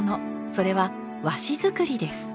それは和紙作りです。